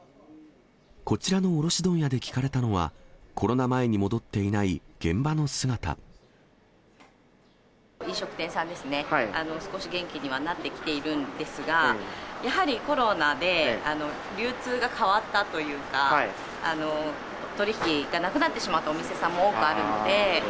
こちらの卸問屋で聞かれたのは、コロナ前に戻っていない現場飲食店さんですね、少し元気にはなってきているんですが、やはりコロナで流通が変わったというか、取り引きがなくなってしまったお店さんも多くあるので。